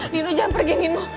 nino jangan pergi nino